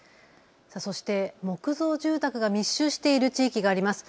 そして木造住宅が密集している地域があります。